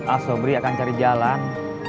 ah sobri akan cari jalan